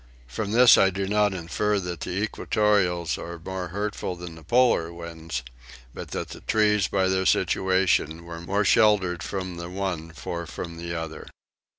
From this I do not infer that the equatorial are more hurtful than the polar winds; but that the trees by their situation were more sheltered from the one for from the other.